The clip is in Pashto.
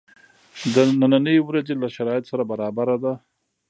د نني ورځی له شرایطو سره برابره ده.